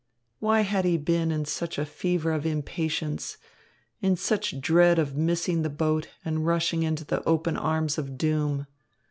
Why had he been in such a fever of impatience, in such dread of missing the boat and rushing into the open arms of doom?